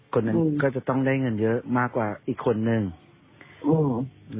คนหนึ่งก็จะต้องได้เงินเยอะมากกว่าอีกคนนึงอืม